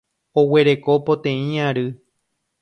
Oguereko poteĩ ary.